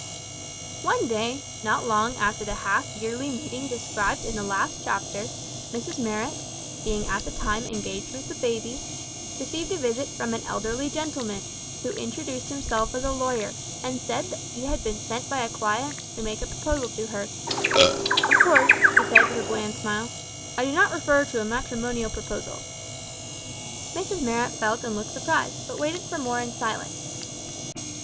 One day, not long after the half yearly meeting described in the last chapter, Mrs Marrot being at the time engaged with the baby received a visit from an elderly gentleman, who introduced himself as a lawyer, and said that he had been sent by a client to make a proposal to her "Of course," he said, with a bland smile, "I do not refer to a matrimonial proposal." Mrs Marrot felt and looked surprised, but waited for more in silence.